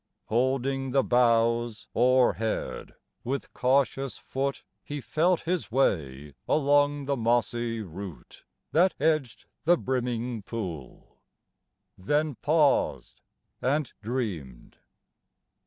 Holding the boughs o'erhead, with cautious foot He felt his way along the mossy root That edged the brimming pool; then paused and dreamed.